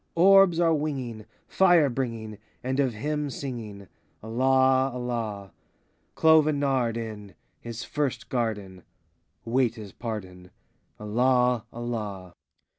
Orbs are winging. Fire bringing, And of him singing,— Allah, Allah! Clove and nard, in His first garden. Wait his pardon,— Allah, Allah!